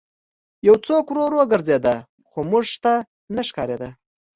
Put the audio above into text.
یو څوک ورو ورو ګرځېده خو موږ ته نه ښکارېده